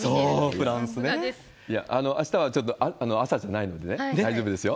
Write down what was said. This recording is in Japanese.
あしたはちょっと朝じゃないので、大丈夫ですよ。